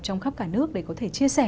trong khắp cả nước để có thể chia sẻ